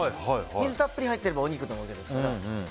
水がたっぷり入ってるとお肉なわけですから。